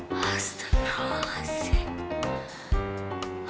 mas tenanglah sih